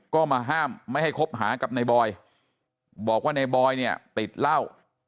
ก็มาห้ามไม่ให้คบหากับในบอยบอกว่าในบอยเนี่ยติดเหล้า